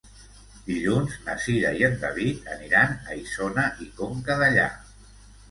Dilluns na Cira i en David aniran a Isona i Conca Dellà.